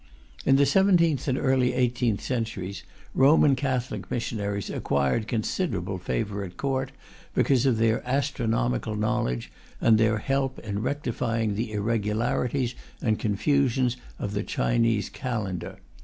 In the seventeenth and early eighteenth centuries Roman Catholic missionaries acquired considerable favour at Court, because of their astronomical knowledge and their help in rectifying the irregularities and confusions of the Chinese calendar.